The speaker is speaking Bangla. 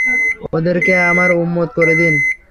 ওদেরকে আমার উম্মত করে দিন।